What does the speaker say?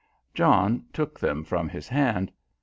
John took them from his hand.